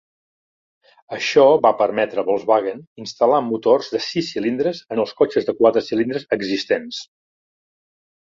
Això va permetre a Volkswagen instal·lar motors de sis cilindres en els cotxes de quatre cilindres existents.